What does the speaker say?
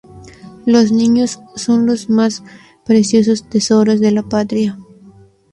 Los niños son los más preciosos tesoros de la patria.